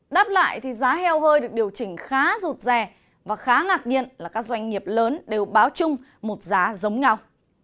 đáp lại thì giá heo hơi được điều chỉnh khá rụt rè và khá ngạc nhiên là các doanh nghiệp lớn đều báo chung một giá giống nhau